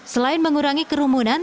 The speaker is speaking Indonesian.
selain mengurangi kerumunan